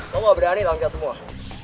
kamu gak berani tampil semua